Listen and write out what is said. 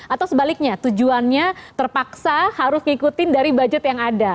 atau sebaliknya tujuannya terpaksa harus ngikutin dari budget yang ada